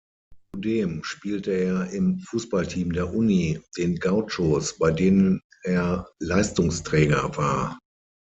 Zudem spielte er im Fußballteam der Uni, den "Gauchos", bei denen er Leistungsträger war.